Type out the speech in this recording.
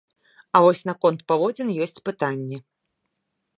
А вось наконт паводзін ёсць пытанні.